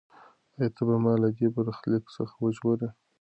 ایا ته به ما له دې برخلیک څخه وژغورې؟